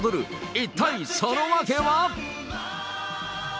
一体その訳は？